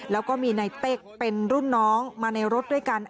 แล้วก็มีในเต็กเป็นรุ่นน้องมาในรถด้วยกัน